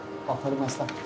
分かりました